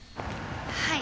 はい。